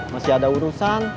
masih ada urusan